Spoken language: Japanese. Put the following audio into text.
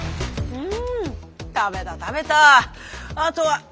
うん？